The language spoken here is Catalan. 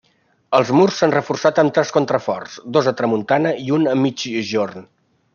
Els murs s'han reforçat amb tres contraforts, dos a tramuntana i un a migjorn.